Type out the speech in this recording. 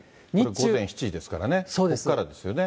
これ、午前７時ですからね、ここからですよね。